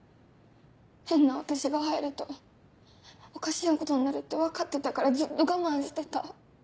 変な私が入るとおかしなことになるって分かってたからずっと我慢してた。